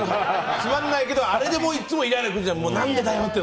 つまんないけどあれでいつもイライラするじゃん。